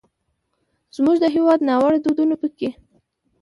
زموږ د هېواد ناوړه دودونه پکې